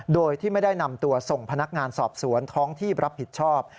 โดยที่ไม่ได้นำตัวส่งพนักงานสอบสวนท้องที่รับผิดชอบ